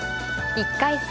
１回戦